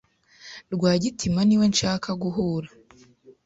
Rwagitima niwe nshaka guhura.